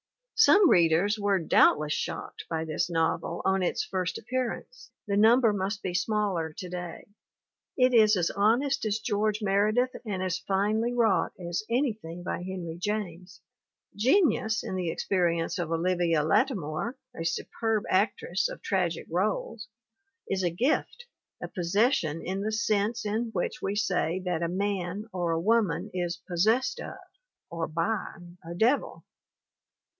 Some readers were doubt less shocked by this novel on its first appearance; the number must be smaller to day. It is as honest as 174 THE WOMEN WHO MAKE OUR NOVELS George Meredith and as finely wrought as anything by Henry James. Genius, in the experience of Olivia Lattimore, a superb actress of tragic roles, is a gift, a possession in the sense in which we say that a man or a woman "is possessed of" or by a devil.